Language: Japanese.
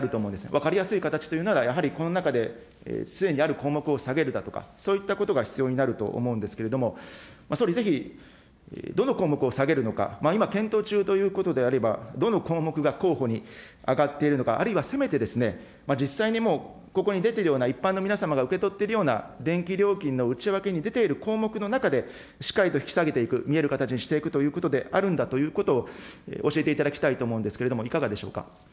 分かりやすい形というなら、やはりこの中ですでにある項目を下げるだとか、そういったことが必要になると思うんですけれども、総理、ぜひどの項目を下げるのか、今検討中ということであれば、どの項目が候補に挙がっているのか、あるいはせめて、実際にもう、ここに出ているような一般の皆様が受け取っているような電気料金の内訳に出ている項目の中で、しっかりと引き下げていく、見える形にしていくということであるんだということを、教えていただきたいと思うんですけれども、いかがでしょうか。